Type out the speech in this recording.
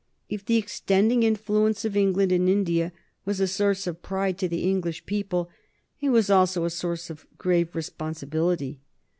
If the extending influence of England in India was a source of pride to the English people, it was also a source of grave responsibility.